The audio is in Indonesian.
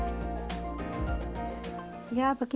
apakah ini menyebabkan pembuatan